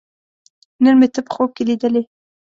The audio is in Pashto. نن مې ته په خوب کې لیدلې